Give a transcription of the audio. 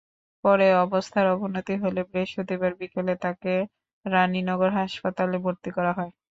পরে অবস্থার অবনতি হলে বৃহস্পতিবার বিকেলে তাকে রাণীনগর হাসপাতালে ভর্তি করা হয়।